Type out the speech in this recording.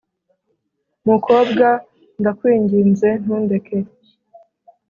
mukobwa ndakwinginze ntundeke